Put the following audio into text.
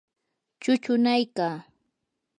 chuchunaykaa.